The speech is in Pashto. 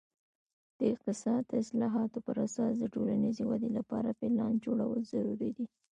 د اقتصاد د اصلاحاتو پر اساس د ټولنیزې ودې لپاره پلان جوړول ضروري دي.